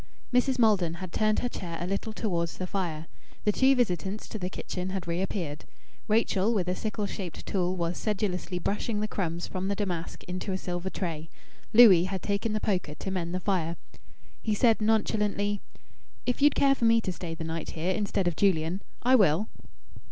Mrs. Maldon had turned her chair a little towards the fire. The two visitants to the kitchen had reappeared. Rachel with a sickle shaped tool was sedulously brushing the crumbs from the damask into a silver tray. Louis had taken the poker to mend the fire. He said, nonchalantly "If you'd care for me to stay the night here instead of Julian, I will."